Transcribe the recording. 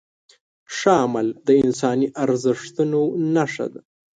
ښه عمل د انساني ارزښتونو نښه ده.